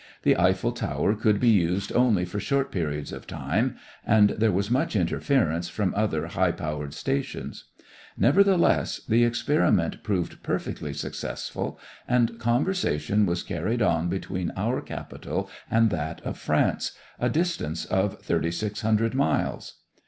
The Eiffel Tower could be used only for short periods of time, and there was much interference from other high powered stations. Nevertheless, the experiment proved perfectly successful, and conversation was carried on between our capital and that of France, a distance of thirty six hundred miles.